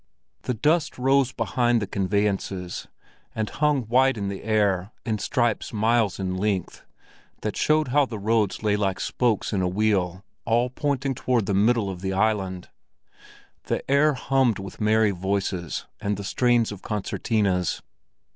The dust rose behind the conveyances and hung white in the air in stripes miles in length, that showed how the roads lay like spokes in a wheel all pointing toward the middle of the island. The air hummed with merry voices and the strains of concertinas.